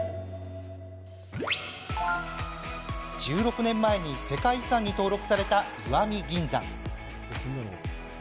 １６年前に世界遺産に登録された石見銀山。